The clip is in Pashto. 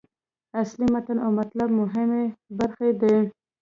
اصلي متن او مطلب مهمې برخې دي.